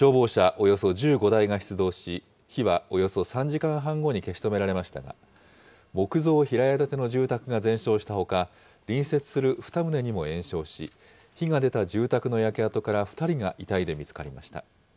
およそ１５台が出動し、火はおよそ３時間半後に消し止められましたが、木造平屋建ての住宅が全焼したほか、隣接する２棟にも延焼し、火が出た住宅の焼け跡から２人が遺体で見つかりました。